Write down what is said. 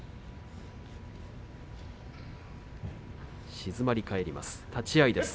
静まり返ります。